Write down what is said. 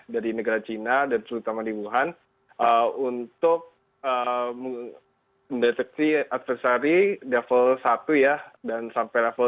dari negara cina dan terutama di wuhan untuk mendeteksi adversari level satu ya dan sampai level tiga